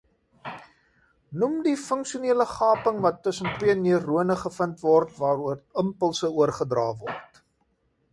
Noem die funksionele gaping wat tussen twee neurone gevind word waaroor impulse oorgedra word.